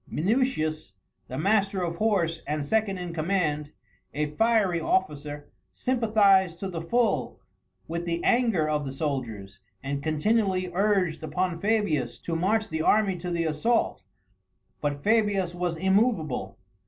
Minucius, the master of horse and second in command, a fiery officer, sympathized to the full with the anger of the soldiers, and continually urged upon Fabius to march the army to the assault, but Fabius was immovable.